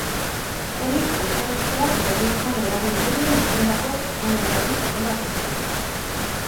Hori urtean zehar berrietan eragin gehien izandako pertsonaiari ematen zaio.